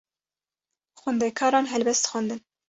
Xwendekaran helbest xwendin.